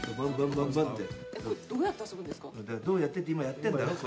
どうやってって今やってんだろ。